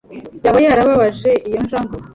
Yaba yarababaje iyo njangwe?